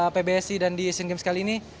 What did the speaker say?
pbsi dan di asian games kali ini